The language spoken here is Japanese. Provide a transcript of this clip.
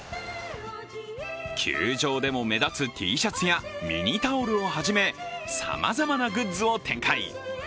球場でも目立つＴシャツやミニタオルをはじめさまざまなグッズを展開。